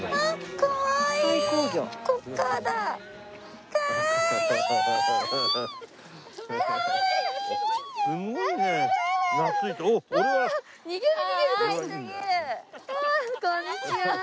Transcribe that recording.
こんにちは。